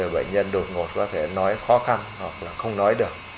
bệnh nhân đột ngột có thể nói khó khăn hoặc là không nói được